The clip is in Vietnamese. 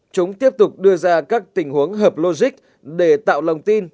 chúng tiếp tục đưa ra các tình huống hợp logic để tạo lòng tin